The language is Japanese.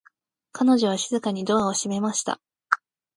彼女は静かにドアを閉めました。